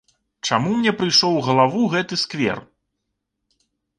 Чаму мне прыйшоў у галаву гэты сквер?